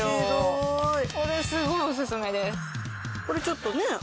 これちょっとね。